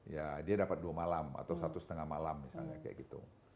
ya dia dapat dua malam atau satu setengah malam misalnya kayak gitu